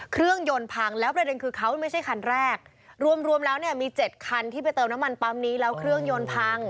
เครื่องยนต์พังแล้วประเด็นคือเขาไม่ใช่คันแรกรวมรวมแล้วเนี่ยมีเจ็ดคันที่ไปเติมน้ำมันปั๊มนี้แล้วเครื่องยนต์พัง